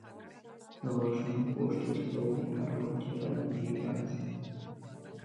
د غاښونو پوښ جوړ سوی دی هر وخت چې راځئ راسئ.